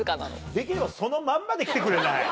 できればそのまんまで来てくれない？